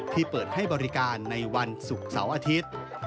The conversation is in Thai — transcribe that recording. เปิดให้บริการในวันศุกร์เสาร์อาทิตย์